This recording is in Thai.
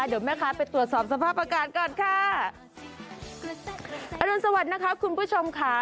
เดี๋ยวแม่ค้าไปตรวจสอบสภาพอากาศก่อนค่ะอรุณสวัสดิ์นะคะคุณผู้ชมค่ะ